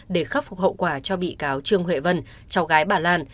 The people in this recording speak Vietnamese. để khắc phục hậu quả cho bị cáo trương huệ vân cháu gái bà lan